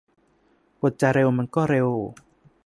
บทจะเร็วมันก็เร็ว